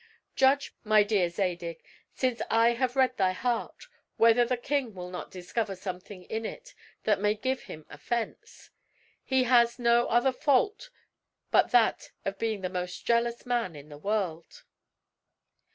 Judge, my dear Zadig, since I have read thy heart, whether the king will not discover something in it that may give him offense. He has no other fault but that of being the most jealous man in the world.